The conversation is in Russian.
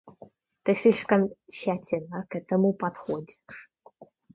Ты слишком тщательно к этому подходишь.